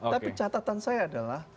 tapi catatan saya adalah